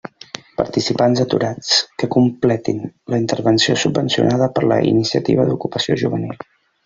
Participants aturats que completin la intervenció subvencionada per la Iniciativa d'Ocupació Juvenil.